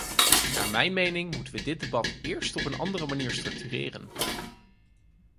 Naar mijn mening moeten we dit debat eerst op een andere manier structureren.